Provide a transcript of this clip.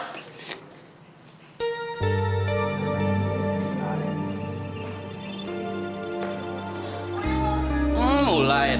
siapa yang jelalatan